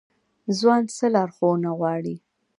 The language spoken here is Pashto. ځوان څه لارښوونه غواړي؟